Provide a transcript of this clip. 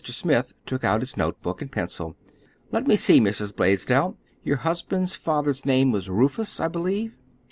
Smith took out his notebook and pencil. "Let me see, Mrs. Blaisdell, your husband's father's name was Rufus, I believe.